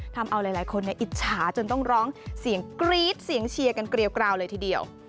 ทำเอาหลายคนอิจฉาจนต้องร้องเสียงกรี๊ดเสียงเชียร์กันเกลียวกราวเลยทีเดียว